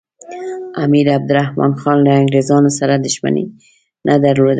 امیر عبدالرحمن خان له انګریزانو سره دښمني نه درلوده.